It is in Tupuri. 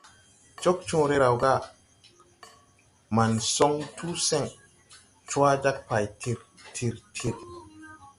Cogcõõre raw age, man soŋ tu sen, cwa jag pay tir tir tir.